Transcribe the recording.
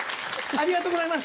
ありがとうございます！